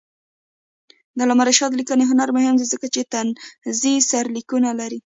د علامه رشاد لیکنی هنر مهم دی ځکه چې طنزي سرلیکونه لري.